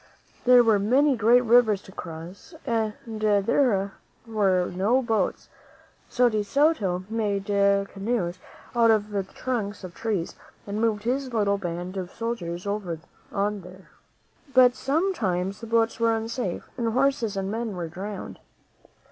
There were many great rivers to cross and there were no boats; so De Soto made canoes out of the trunks of trees and moved his little band of soldiers over on these. But sometimes the boats were unsafe, and horses and men were drowned.